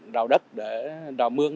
đào đất để đào mương